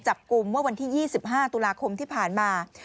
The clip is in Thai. จับกลุ่มเมื่อวันที่๒๕ตุลาคมที่ผ่านมา